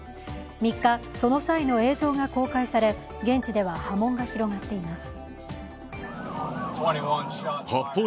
３日、その際の映像が公開され現地では波紋が広がっています。